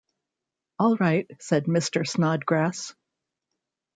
‘All right,’ said Mr. Snodgrass.